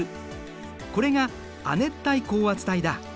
これが亜熱帯高圧帯だ。